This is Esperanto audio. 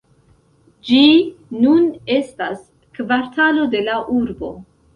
Ĝi nun estas kvartalo de la urbo.